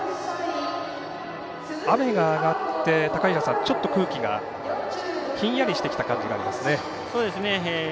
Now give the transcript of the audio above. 雨が上がってちょっと空気がひんやりしてきた感じがありますね。